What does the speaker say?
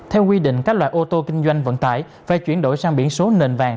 theo quy định các loại ô tô kinh doanh vận tải phải chuyển đổi sang biển số nền vàng